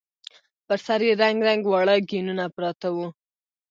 پر سر يې رنګ رنګ واړه ګېنونه پراته وو.